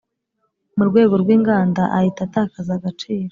mu rwego rw inganda ahita atakaza agaciro